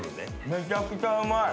めちゃくちゃうまい！